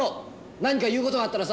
何か言うことがあったらさ